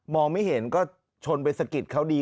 ไม่เห็นก็ชนไปสะกิดเขาดี